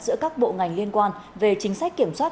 giữa các bộ ngành liên quan về chính sách kiểm soát